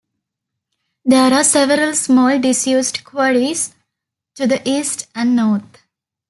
There are several small disused quarries to the east and north.